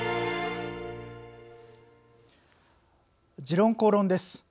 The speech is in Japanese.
「時論公論」です。